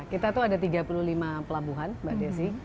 kita tuh ada tiga puluh lima pelabuhan mbak desi